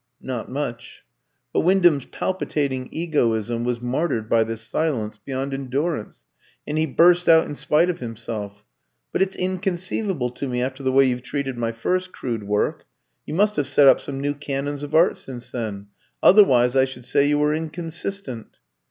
"Not much." But Wyndham's palpitating egoism was martyred by this silence beyond endurance, and he burst out in spite of himself "But it's inconceivable to me, after the way you've treated my first crude work. You must have set up some new canons of art since then. Otherwise I should say you were inconsistent."